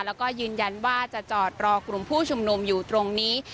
แล้วก็ยืนยันว่าจะจอดรอกลุ่มผู้ชุมนุมอยู่ตรงนี้